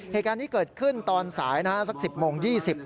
เหตุการณ์นี้เกิดขึ้นตอนสายนะฮะสัก๑๐โมง๒๐